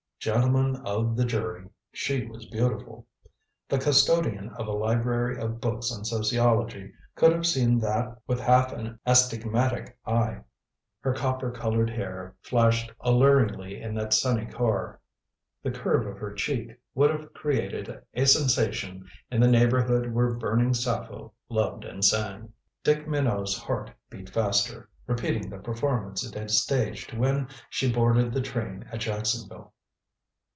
Gentlemen of the jury she was beautiful. The custodian of a library of books on sociology could have seen that with half an astigmatic eye. Her copper colored hair flashed alluringly in that sunny car; the curve of her cheek would have created a sensation in the neighborhood where burning Sappho loved and sang. Dick Minot's heart beat faster, repeating the performance it had staged when she boarded the train at Jacksonville.